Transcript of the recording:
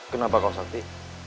kenapa kau sakti